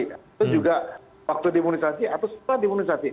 itu juga waktu di imunisasi atau setelah di imunisasi